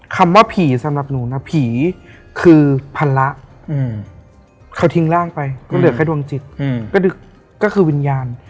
คำว่าผีสำหรับหนูนะผีคือภาระเขาทิ้งร่างไปก็เหลือแค่ดวงจิตก็คือวิญญาณ